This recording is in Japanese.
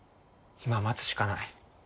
今は待つしかない。